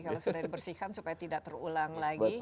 kalau sudah dibersihkan supaya tidak terulang lagi